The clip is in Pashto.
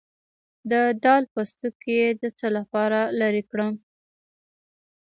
د دال پوستکی د څه لپاره لرې کړم؟